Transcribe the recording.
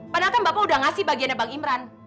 padahal kan bapak udah ngasih bagiannya bang imran